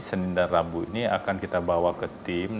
senin dan rabu ini akan kita bawa ke tim